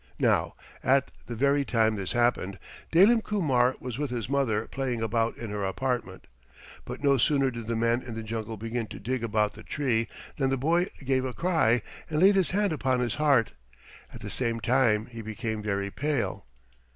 Now at the very time this happened Dalim Kumar was with his mother playing about in her apartment. But no sooner did the man in the jungle begin to dig about the tree than the boy gave a cry and laid his hand upon his heart. At the same time he became very pale.